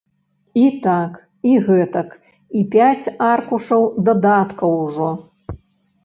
І так, і гэтак, і пяць аркушаў дадаткаў ужо!